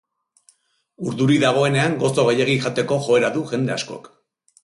Urduri dagoenean gozo gehiegi jateko joera du jende askok.